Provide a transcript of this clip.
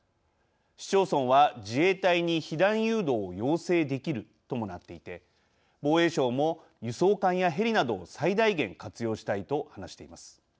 市町村は自衛隊に避難誘導を要請できるともなっていて防衛省も輸送艦やヘリなどを最大限活用したいと話しています。